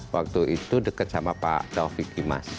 waktu itu dekat sama pak taufik imas